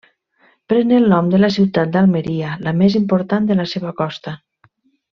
Pren el nom de la ciutat d'Almeria, la més important de la seva costa.